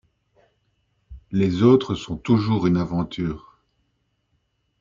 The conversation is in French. Les autres sont toujours une aventure.